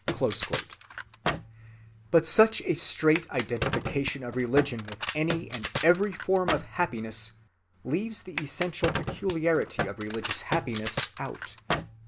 (20) But such a straight identification of religion with any and every form of happiness leaves the essential peculiarity of religious happiness out.